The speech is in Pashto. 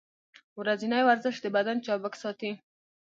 ورځنی ورزش د بدن چابک ساتي.